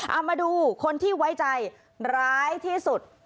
เอามาดูคนที่ไว้ใจร้ายที่สุด